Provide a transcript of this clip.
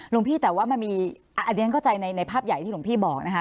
หลวงพี่แต่ว่ามันมีอันนี้เข้าใจในภาพใหญ่ที่หลวงพี่บอกนะคะ